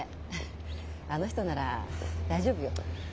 あの人なら大丈夫よ。